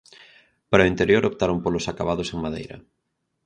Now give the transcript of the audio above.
Para o interior optaron polos acabados en madeira.